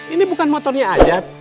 ini bukan motornya ajat